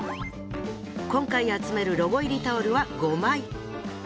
今回集めるロゴ入りタオルは５枚。